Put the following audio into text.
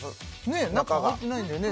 ねえ中入ってないんだよね